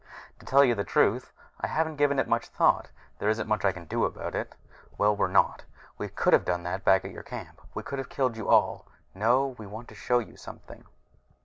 "To tell you the truth, I haven't given it much thought. There isn't much I can do about it." "Well, we're not. We could have done that back at your camp. We could have killed all of you. No, we want to show you something."